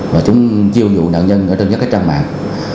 và chúng chiêu dụ nạn nhân ở trên các trang mạng